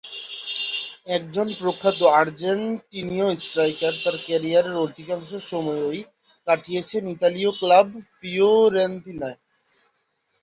এই প্রখ্যাত আর্জেন্টিনীয় স্ট্রাইকার তার ক্যারিয়ারের অধিকাংশ সময়ই কাটিয়েছেন ইতালীয় ক্লাব ফিওরেন্তিনায়।